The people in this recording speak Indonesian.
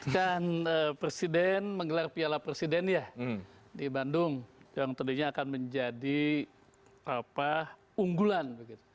dan presiden menggelar piala presiden ya di bandung yang tadinya akan menjadi unggulan